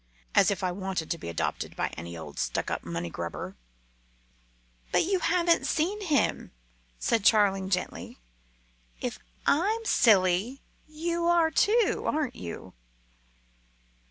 As if I wanted to be adopted by any old stuck up money grubber!" "But you haven't seen him," said Charling gently. "If I'm silly, you are too, aren't you?"